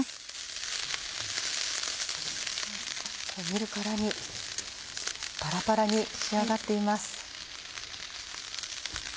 見るからにパラパラに仕上がっています。